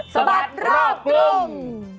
สะบัดรอบกรุง